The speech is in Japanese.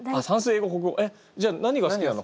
えっじゃあ何が好きなの？